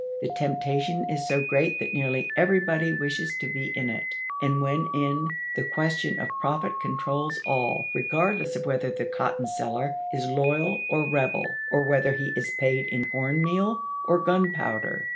The temptation is so great that nearly every body wishes to be hi it ; and when in, the question of profit controls all, regardless of whether the cotton seller is loyal or rebel, or whether he is paid in corn meal or gunpowder.